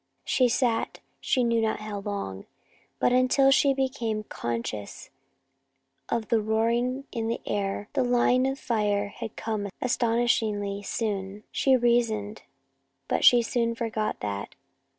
She sat she knew not how long, but until she became conscious of a roaring in the air. The line of fire had come astonishingly soon, she reasoned. But she forgot that.